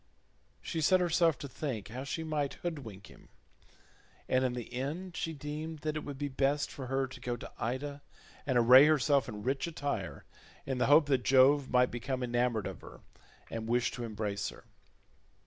She set herself to think how she might hoodwink him, and in the end she deemed that it would be best for her to go to Ida and array herself in rich attire, in the hope that Jove might become enamoured of her, and wish to embrace her.